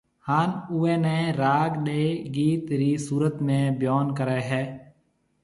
هان اوئي نيَ راگ ڏي گيت رِي صورت ۾ بيون ڪريَ هيَ